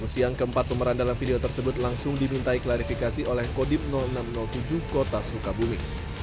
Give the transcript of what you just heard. siang keempat pemeran dalam video tersebut langsung dimintai klarifikasi oleh kodim enam ratus tujuh kota sukabumi